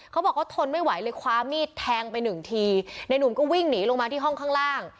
เขาบอกเขาทนไม่ไหวเลยคว้ามีดแทงไปหนึ่งทีในหนุ่มก็วิ่งหนีลงมาที่ห้องข้างล่าง